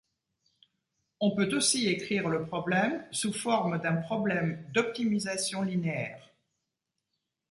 On peut aussi écrire le problème sous forme d'un problème d'optimisation linéaire.